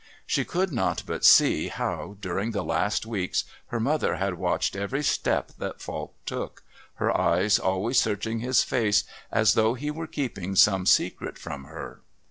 She could not but see how during the last weeks her mother had watched every step that Falk took, her eyes always searching his face as though he were keeping some secret from her.